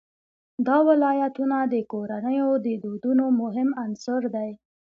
دا ولایتونه د کورنیو د دودونو مهم عنصر دی.